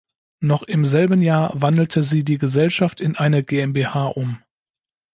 Noch im selben Jahr wandelte sie die Gesellschaft in eine GmbH um.